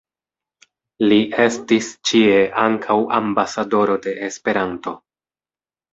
Li estis ĉie ankaŭ "ambasadoro de Esperanto.